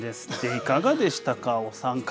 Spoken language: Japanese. いかがでしたか、お三方。